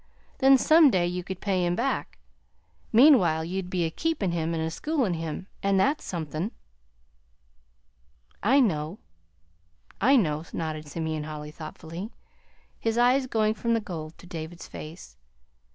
Then, some day you could pay him back. Meanwhile you'd be a keepin' him, an' a schoolin' him; an' that's somethin'." "I know, I know," nodded Simeon Holly thoughtfully, his eyes going from the gold to David's face.